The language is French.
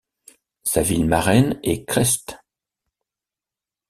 Sa ville marraine est Crest.